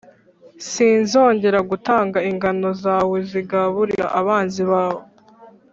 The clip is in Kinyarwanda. «sinzongera gutanga ingano zawe nzigaburira abanzi bawe,